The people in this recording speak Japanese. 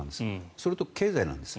それと経済なんです。